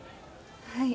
はい。